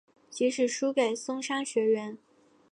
即使输给松商学园。